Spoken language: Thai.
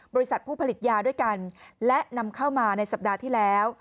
บริษัทผู้ผลิตยาด้วยกันและนำเข้ามาในสัปดาห์ที่แล้ว